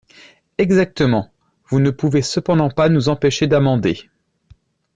Exactement ! Vous ne pouvez cependant pas nous empêcher d’amender.